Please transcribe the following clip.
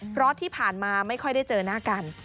เพราะที่ผ่านมาไม่ค่อยได้เจอหน้ากัน